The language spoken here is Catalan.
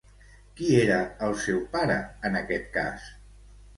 Qui era el seu pare, en aquest cas?